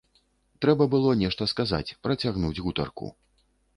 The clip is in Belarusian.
Трэба было нешта сказаць, працягнуць гутарку.